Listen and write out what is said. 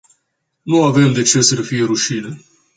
Nu avem de ce să ne fie rușine.